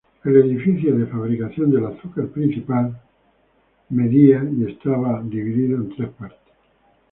El edificio de fabricación del azúcar principal, medía y estaba dividido en tres partes.